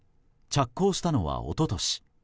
着工したのは一昨年。